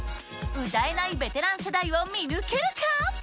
歌えないベテラン世代を見抜けるか？